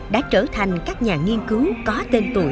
đã trở thành các nhà nghiên cứu có tên tuổi